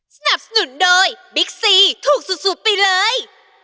สนับสนุนโดยบิ๊กซีถูกสูตรสูตรไปเลย